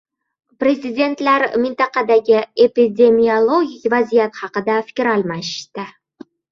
Prezidentlar mintaqadagi epidemiologik vaziyat haqida fikr almashishdi